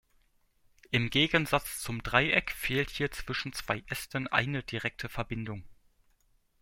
Im Gegensatz zum Dreieck fehlt hier zwischen zwei Ästen eine direkte Verbindung.